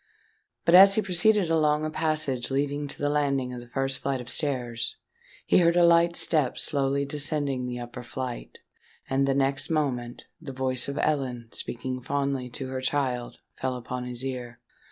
But as he proceeded along a passage leading to the landing of the first flight of stairs, he heard a light step slowly descending the upper flight; and the next moment, the voice of Ellen speaking fondly to her child, fell upon his ear.